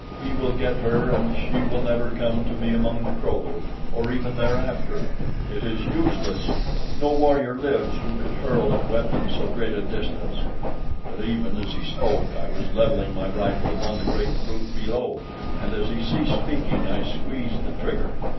"He will get her and she will never come to me among the Kro lu, or ever thereafter. It is useless! No warrior lives who could hurl a weapon so great a distance." But even as he spoke, I was leveling my rifle upon the great brute below; and as he ceased speaking, I squeezed the trigger.